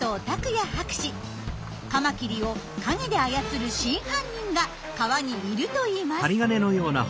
カマキリを陰で操る真犯人が川にいるといいます。